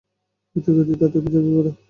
বিদ্যুৎ গতিতে তাদের উপর ঝাঁপিয়ে পড়।